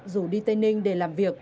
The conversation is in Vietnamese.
rủ đi tây ninh để làm việc